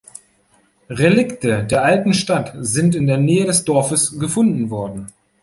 Relikte der alten Stadt sind in der Nähe des Dorfes gefunden worden.